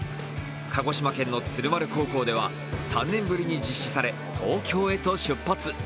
鹿児島県の鶴丸高校では３年ぶりに実施され、東京へと出発。